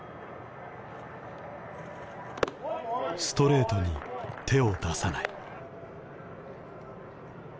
ストレートに手を出さない。